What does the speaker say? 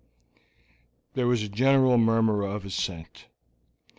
There was a general murmur of assent.